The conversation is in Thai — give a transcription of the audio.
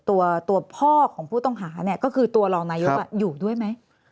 ตัวพ่อของผู้ต้องหาเนี่ยก็คือตัวรองนายกอยู่ด้วยไหม